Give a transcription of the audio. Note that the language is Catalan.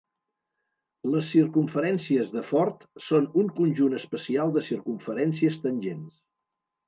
Les circumferències de Ford són un conjunt especial de circumferències tangents.